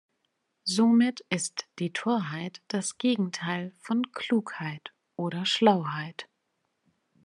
Somit ist die Torheit das Gegenteil von Klugheit oder Schlauheit.